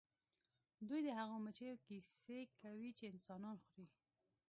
دوی د هغو مچیو کیسې کوي چې انسانان خوري